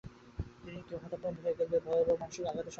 কেউ হঠাৎ অন্ধ হয়ে গেলে ভয়াবহ মানসিক আঘাতের সম্মুখীন হয়।